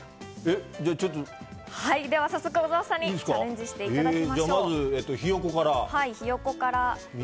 早速、小澤さんにチャレンジしていただきましょう。